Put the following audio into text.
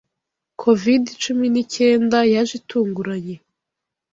covid cumi n'icyenda yaje itunguranye